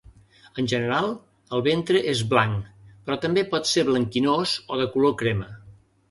En general, el ventre és blanc, però també pot ser blanquinós o de color crema.